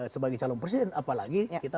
sebagai calon presiden apalagi kita